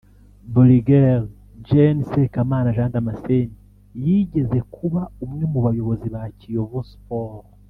Brig Gen Sekamana Jean Damascene yigeze kuba umwe mu bayobozi ba Kiyovu Sports